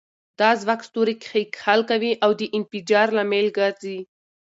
دا ځواک ستوري کښیکښل کوي او د انفجار لامل ګرځي.